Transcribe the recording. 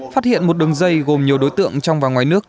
phát hiện một đường dây gồm nhiều đối tượng trong và ngoài nước